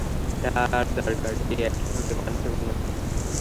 তার দরকার, যে একই সঙ্গে মানুষ এবং উদ্ভিদ।